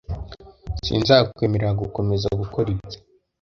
Sinzakwemerera gukomeza gukora ibyo .